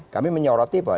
kami menyoroti pak